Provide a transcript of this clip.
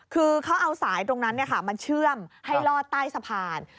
คือเขาเอาสายตรงนั้นมาเชื่อมให้ลอดใต้สะพาน